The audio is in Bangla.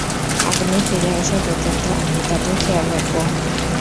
আপনি ফিরে আসা পর্যন্ত আমি তাদের খেয়াল রাখব।